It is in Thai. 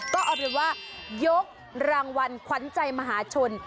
ก็เอาเป็นว่ายกรางวัลขวัญใจมหาชน